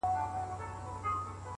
زما ياران اوس په دې شكل سـوله،